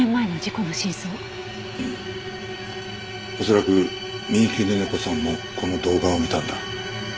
恐らく三池寧々子さんもこの動画を見たんだ。